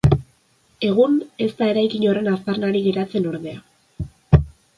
Egun, ez da eraikin horren aztarnarik geratzen ordea.